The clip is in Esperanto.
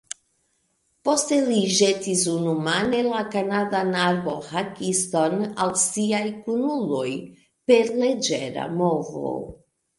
Poste li ĵetis unumane la kanadan arbohakiston al siaj kunuloj per leĝera movo.